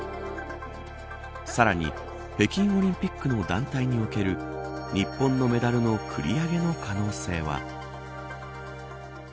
さらに、北京オリンピックの団体における日本のメダルの繰り上げの可能性は。